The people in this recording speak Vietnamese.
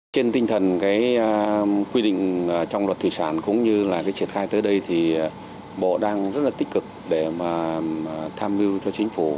trên tinh thần cái quy định trong luật thủy sản cũng như là cái triển khai tới đây thì bộ đang rất là tích cực để mà tham mưu cho chính phủ